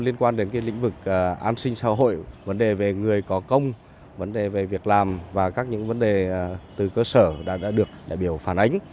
liên quan đến lĩnh vực an sinh xã hội vấn đề về người có công vấn đề về việc làm và các những vấn đề từ cơ sở đã được đại biểu phản ánh